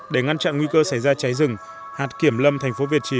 để ngăn chặn nguy cơ xảy ra cháy rừng hạt kiểm lâm thành phố việt trì